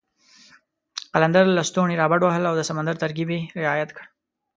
قلندر لسټوني را بډ وهل او د سمندر ترکیب یې رعایت کړ.